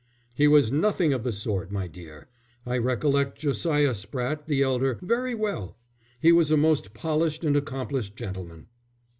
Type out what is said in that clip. "He was nothing of the sort, my dear; I recollect Josiah Spratte, the elder, very well. He was a most polished and accomplished gentleman."